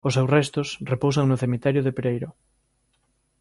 Os seus restos repousan no Cemiterio de Pereiró.